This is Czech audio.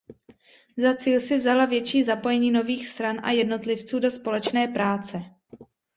Za cíl si vzala větší zapojení nových stran a jednotlivců do společné práce.